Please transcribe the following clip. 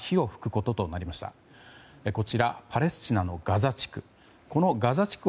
こちら、パレスチナのガザ地区。